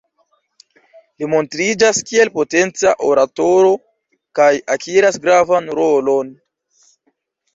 Li montriĝas kiel potenca oratoro, kaj akiras gravan rolon.